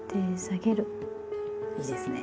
いいですね。